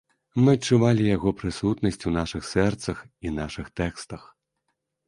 Мы адчувалі яго прысутнасць у нашых сэрцах і нашых тэкстах.